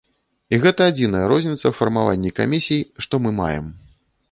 І гэта адзіная розніца ў фармаванні камісій, што мы маем.